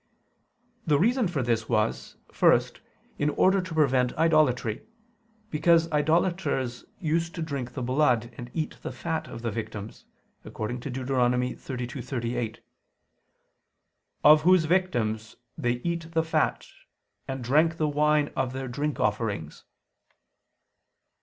The reason for this was, first, in order to prevent idolatry: because idolaters used to drink the blood and eat the fat of the victims, according to Deut. 32:38: "Of whose victims they eat the fat, and drank the wine of their drink offerings."